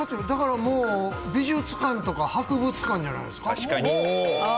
美術館とか博物館じゃないですか。